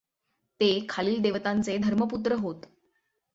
ते खालील देवतांचे धर्मपुत्र होत.